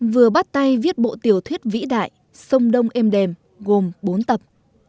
vừa bắt tay viết bộ tiểu thuyết vĩ đại sông đông êm đềm gồm bốn tập